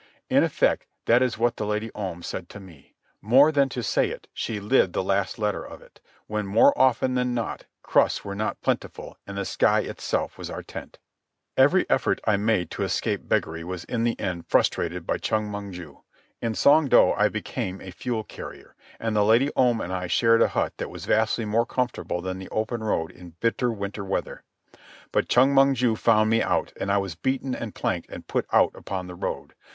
In effect that is what the Lady Om said to me. More than to say it, she lived the last letter of it, when more often than not crusts were not plentiful and the sky itself was our tent. Every effort I made to escape beggary was in the end frustrated by Chong Mong ju. In Songdo I became a fuel carrier, and the Lady Om and I shared a hut that was vastly more comfortable than the open road in bitter winter weather. But Chong Mong ju found me out, and I was beaten and planked and put out upon the road.